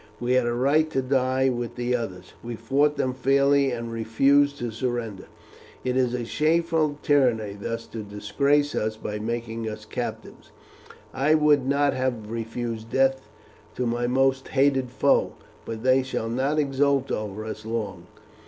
We had a right to die with the others. We fought them fairly, and refused to surrender. It is a shameful tyranny thus to disgrace us by making us captives. I would not have refused death to my most hated foe; but they shall not exult over us long.